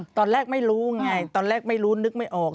ตอนแรกไม่รู้ไงตอนแรกไม่รู้นึกไม่ออก